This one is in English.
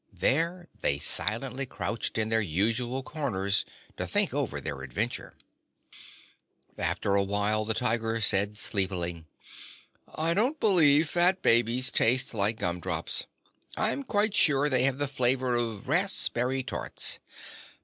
There they silently crouched in their usual corners to think over their adventure. After a while the Tiger said sleepily: "I don't believe fat babies taste like gumdrops. I'm quite sure they have the flavor of raspberry tarts.